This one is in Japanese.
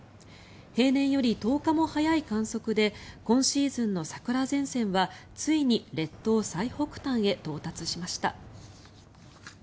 平年より１０日も早い観測で今シーズンの桜前線はついに列島最北端へ到達しました。